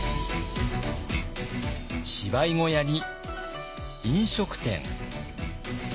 芝居小屋に飲食店。